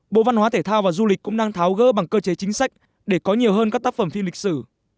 bộ văn hóa thể thao và du lịch cũng đang tháo gỡ bằng cơ chế chính sách để có nhiều hơn các tác phẩm phim lịch sử